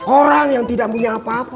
orang yang tidak punya apa apa